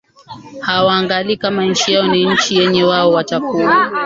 hawaangali kama nchi yao ni nchi yenye wao watakuwa